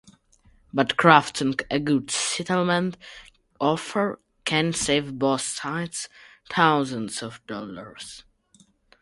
But crafting a good settlement offer can save both sides thousands of dollars.